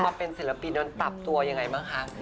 มาเป็นศิลปินโดนปรับตัวยังไงบ้างคะ